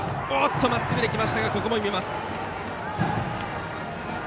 まっすぐで来ましたがここも見ます。